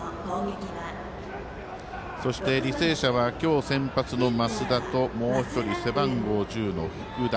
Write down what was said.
そして、履正社は今日、先発の増田ともう１人、背番号１０の福田。